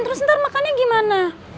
terus nanti makannya gimana